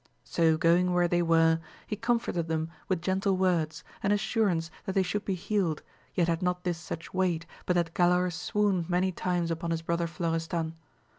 So going where they were, he comforted them with gentle words, and assurance that they should be healed, yet had not this such weight, but that Galaor swooned many times upon his brother Florestan.